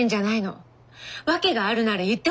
訳があるなら言ってほしいの。